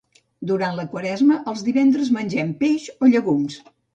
Durant la Quaresma, els divendres mengem peix o llegums.